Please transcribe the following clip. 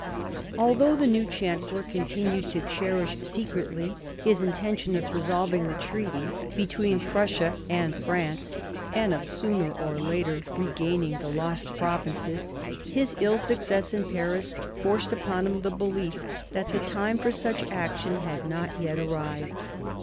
Although the new Chancellor continued to cherish secretly his intention of dissolving the treaty between 1748 55 CHANGE OF ALLIANCES 97 Prussia and France, and of sooner or later regaining the lost provinces, his ill success in Paris forced upon him the belief that the time for such action had not yet arrived.